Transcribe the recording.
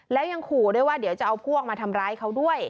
แล้วยังขู่ด้วยว่าเดี๋ยวจะเอาพวกมาทำร้ายเขาด้วย